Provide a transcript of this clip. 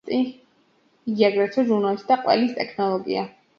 იგი აგრეთვე ჟურნალისტი და ყველის ტექნოლოგია.